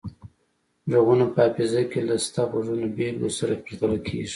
غږونه په حافظه کې له شته غږیزو بیلګو سره پرتله کیږي